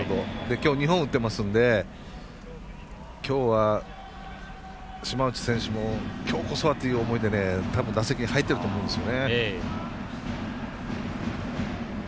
今日、２本、打っていますので今日は島内選手も「今日こそは」っていう思いで打席に入っていると思うんですよ。